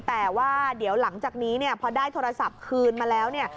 แต่ว่าเดี๋ยวหลังจากนี้เนี่ยพอได้โทรศัพท์คืนมาแล้วเนี่ย